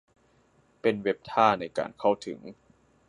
เป็นเว็บท่าในการเข้าถึง